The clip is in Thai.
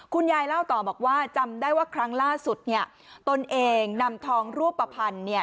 เล่าต่อบอกว่าจำได้ว่าครั้งล่าสุดเนี่ยตนเองนำทองรูปภัณฑ์เนี่ย